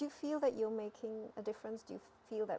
jika kita menjaga kehidupan yang menarik